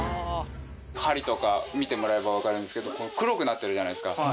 梁とか見てもらえばわかるんですけど黒くなってるじゃないですか。